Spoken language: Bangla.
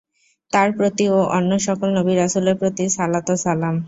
তাঁর প্রতি ও অন্য সকল নবী-রাসূলের প্রতি সালাত ও সালাম।